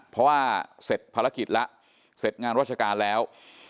เพราะว่าเสร็จภารกิจแล้วเสร็จงานราชการแล้ว